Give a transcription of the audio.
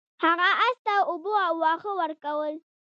هغه اس ته اوبه او واښه ورکول.